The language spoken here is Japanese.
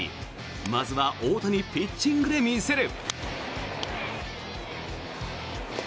まずは大谷ピッチングで見せる。